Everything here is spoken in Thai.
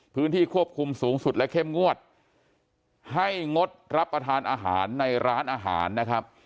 พื้นที่ควบคุมสูงสุดและเข้มงวดให้งดรับประทานอาหารในร้านอาหารนะครับ